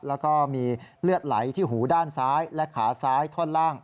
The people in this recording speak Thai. แล้วก็มีเลือดไหลที่หูด้านซ้ายและขาซ้ายท่อนล่าง